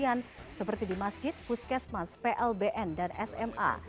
sebagai contoh di masjid puskesmas plbn dan sma